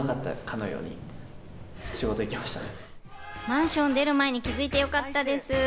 マンションを出る前に気づいてよかったです。